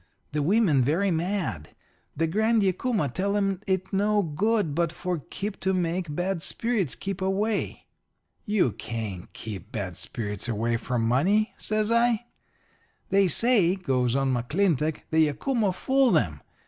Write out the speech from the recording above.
The women very mad. The Grand Yacuma tell them it no good but for keep to make bad spirits keep away.' "'You can't keep bad spirits away from money,' says I. "'They say,' goes on McClintock, 'the Yacuma fool them.